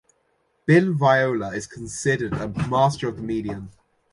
Bill Viola is considered a master of the medium.